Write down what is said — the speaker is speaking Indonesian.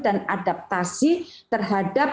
dan adaptasi terhadap